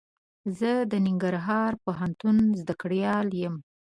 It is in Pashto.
زه د ننګرهار پوهنتون زده کړيال يم.